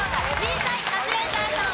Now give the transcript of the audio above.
カズレーザーさん